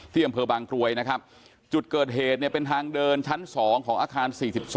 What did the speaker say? อำเภอบางกรวยนะครับจุดเกิดเหตุเนี่ยเป็นทางเดินชั้น๒ของอาคาร๔๒